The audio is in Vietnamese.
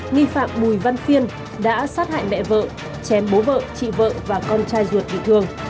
nghi phạm bùi văn phiên đã sát hại mẹ vợ chém bố vợ chị vợ và con trai ruột bị thương